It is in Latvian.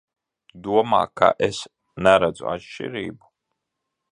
Domā, ka es neredzu atšķirību?